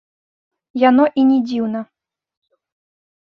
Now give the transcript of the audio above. Яно і не дзіўна.